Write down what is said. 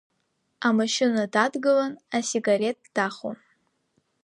Амашьына дадгылан асигарет дахон.